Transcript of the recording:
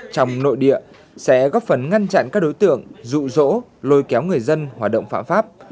trong nội địa sẽ góp phần ngăn chặn các đối tượng rụ rỗ lôi kéo người dân hoạt động phạm pháp